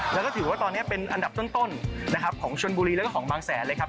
แล้วก็ถือว่าตอนนี้เป็นอันดับต้นนะครับของชนบุรีแล้วก็ของบางแสนเลยครับ